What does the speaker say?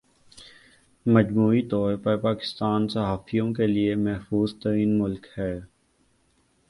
مجموعی طور پر پاکستان صحافیوں کے لئے محفوظ ترین ملک ہے